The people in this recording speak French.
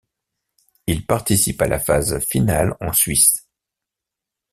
Il participe à la phase finale en Suisse.